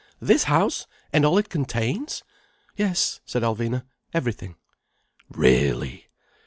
This house, and all it contains?" "Yes," said Alvina. "Everything." "Really!"